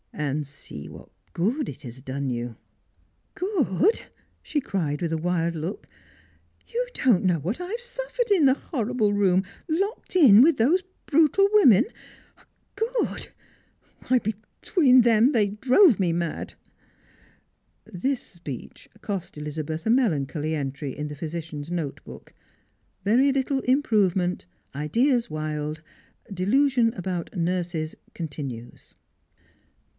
Ajid B§9 wJiQ.t good it hag done you I" Sirangers and Pilgrims. 375 « Good !" she cried, with a wild look, " You don't know what I have suffered in the horrible room, locked in, with those brutal women. Gcod ! Why, between them they drove me mad !" This speech cost EHzabeth a melancholy entry in the physi cian's note book: "Very little improvement; ideas wild, delu sion about nurses continues."